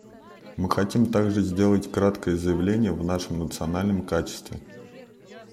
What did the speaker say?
Мы хотим также сделать краткое заявление в нашем национальном качестве.